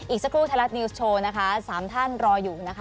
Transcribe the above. อีกสักครู่ไทยรัฐนิวส์โชว์นะคะสามท่านรออยู่นะคะ